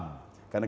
karena kita juga